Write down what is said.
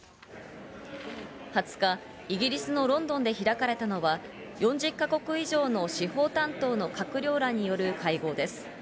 ２０日、イギリスのロンドンで開かれたのは、４０か国以上の司法担当の閣僚らによる会合です。